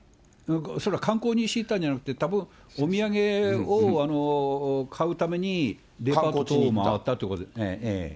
それは観光をしていたんじゃなくて、たぶん、お土産を買うためにデパートを回ったと。